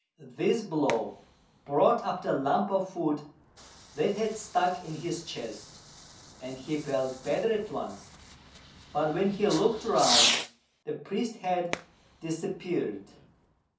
This blow brought up the lump of food that had stuck in his chest, and he felt better at once; but when he looked round the priest had disappeared.